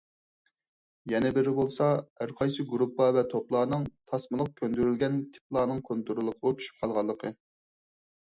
يەنە بىرى بولسا، ھەرقايسى گۇرۇپپا ۋە توپلارنىڭ تاسمىلىق كۆندۈرۈلگەن تىپلارنىڭ كونتروللۇقىغا چۈشۈپ قالغانلىقى.